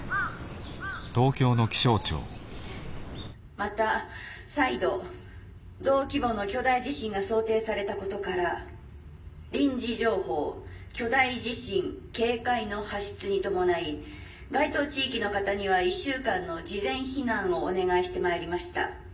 「また再度同規模の巨大地震が想定されたことから臨時情報巨大地震警戒の発出に伴い該当地域の方には１週間の事前避難をお願いしてまいりました。